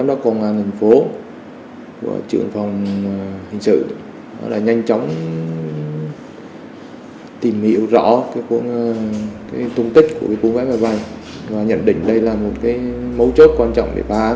một mấu chốt quan trọng để bán